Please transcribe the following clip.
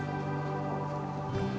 itu yang membuat saya menyesal